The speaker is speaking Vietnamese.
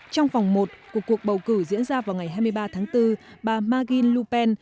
trong vòng một của cuộc bầu cử diễn ra vào ngày hai mươi ba tháng bốn bà marguerite lupin